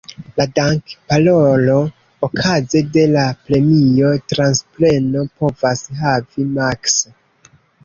La dank-"parolo" okaze de la premio-transpreno povas havi maks.